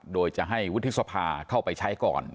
โดยจะให้วิทยาศาสตร์เข้าไปใช้ก่อน